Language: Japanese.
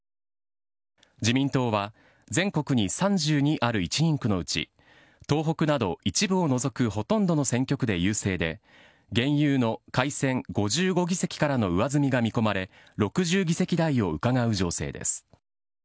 自民党は、全国に３２ある１人区のうち、東北など一部を除くほとんどの選挙区で優勢で、現有の改選５５議席からの上積みが見込まれ、６０議席台をうかがう情勢です。